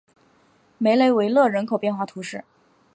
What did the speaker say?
梅雷维勒人口变化图示